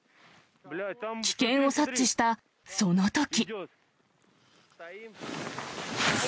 危険を察知したそのとき。